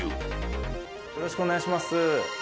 よろしくお願いします。